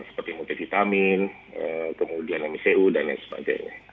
yang multivitamin kemudian mcu dan lain sebagainya